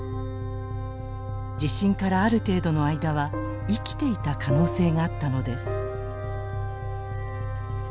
地震からある程度の間は生きていた可能性があったのです。